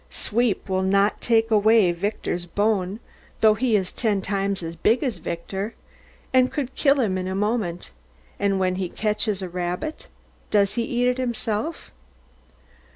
Sweep will not take away Victor's bone, though he is ten times as big as Victor, and could kill him in a moment; and when he catches a rabbit, does he eat it himself?